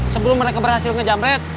sebelum mereka berhasil ngejamret